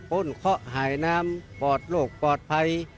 ปว่นเคราะห์หายน้ำปอดโลกปอดภัย